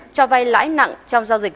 cho vay lãi nặng trong giao dịch